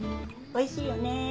おいしいよねぇ。